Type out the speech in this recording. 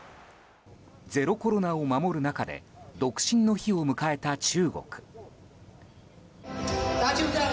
ゼロコロナを守る中で独身の日を迎えた中国。